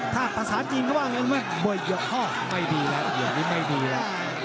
ถ้าภาษาจีนก็ว่างเยอะก็ไม่ดีแหละ